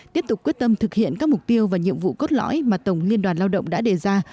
tiếp tục quyết tâm thực hiện các mục tiêu và nhiệm vụ cốt lõi mà tổng liên đoàn lao động đã đề ra